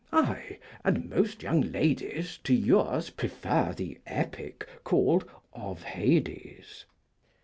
Ay, and most young ladies To yours prefer the 'Epic' called 'of Hades'!